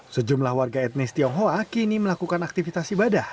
sejumlah warga etnis tionghoa kini melakukan aktivitas ibadah